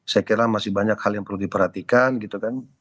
saya kira masih banyak hal yang perlu diperhatikan gitu kan